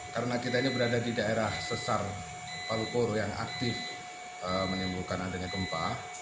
karena kita ini berada di daerah sesar palu koro yang aktif menimbulkan adanya gempa